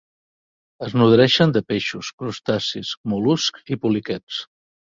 Es nodreixen de peixos, crustacis, mol·luscs i poliquets.